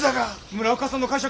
村岡さんの会社